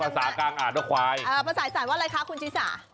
ภาษากลางอ่าถมันควายภาษาอีสานคุณชี้ซะ